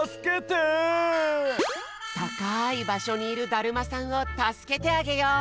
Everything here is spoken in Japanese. たかいばしょにいるだるまさんをたすけてあげよう！